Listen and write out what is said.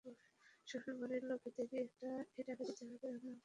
শ্বশুর বাড়ির লোকেদেরই, এই টাকা দিতে হবে আমি আঙ্কেল কেও বলেছি।